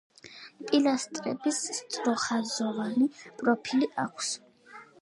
პილასტრებს სწორხაზოვანი პროფილი აქვს.